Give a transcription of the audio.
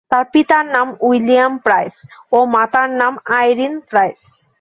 তার পিতার নাম উইলিয়াম প্রাইজ ও মাতার নাম আইরিন প্রাইজ।